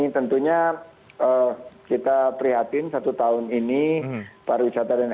tentunya kita prihatin satu tahun ini pariwisata dan ekonomi